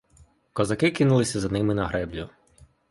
Козаки кинулися за ними на греблю.